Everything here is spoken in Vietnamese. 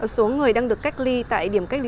số người đang được cách ly tại điểm cách ly